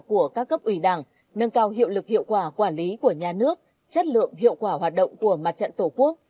của các cấp ủy đảng nâng cao hiệu lực hiệu quả quản lý của nhà nước chất lượng hiệu quả hoạt động của mặt trận tổ quốc